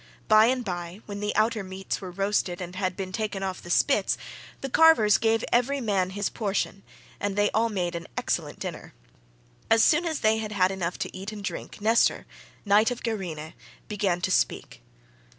By and by, when the outer meats were roasted and had been taken off the spits, the carvers gave every man his portion and they all made an excellent dinner. As soon as they had had enough to eat and drink, Nestor, knight of Gerene, began to speak.